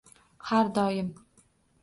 Har doim